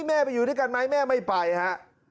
แม่ไปอยู่ด้วยกันไหมแม่ไม่ไปฮะ